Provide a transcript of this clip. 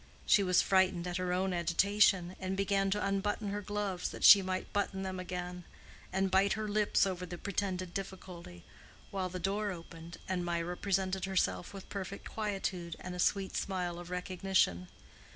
She was frightened at her own agitation, and began to unbutton her gloves that she might button them again, and bite her lips over the pretended difficulty, while the door opened, and Mirah presented herself with perfect quietude and a sweet smile of recognition.